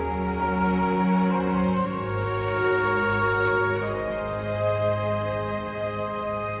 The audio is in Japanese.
すいません。